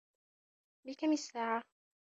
بكم الساعة؟